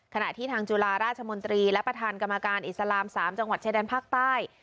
ขณะที่ทางจุฬาราชมนตรีและประธานกรรมการอิสลาม๓จังหวัดชายแดนภาคใต้